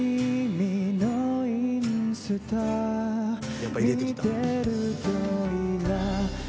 やっぱり入れてきた。